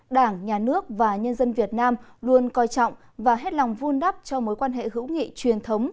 đảng nhà nước và nhân dân việt nam luôn coi trọng và hết lòng vun đắp cho mối quan hệ hữu nghị truyền thống